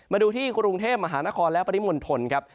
มาดูที่กรุงเทพมหานครและปริมณฑลครับ